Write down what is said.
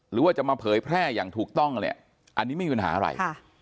หรือว่าจะมาเผยแพร่อย่างถูกต้องเนี่ยอันนี้ไม่มีปัญหาอะไร